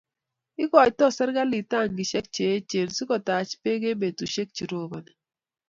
Ikoiitoi serikalit tankihek che echen si ko tach beek eng' petushek che roboni